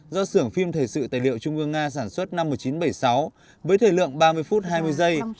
do sưởng phim thời sự tài liệu trung ương nga sản xuất năm một nghìn chín trăm bảy mươi sáu với thời lượng ba mươi phút hai mươi giây